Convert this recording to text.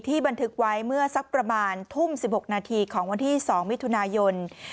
บันทึกไว้เมื่อสักประมาณทุ่ม๑๖นาทีของวันที่๒มิถุนายน